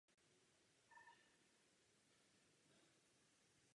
Na severu jsou to pak povodí menších přítoků Labe.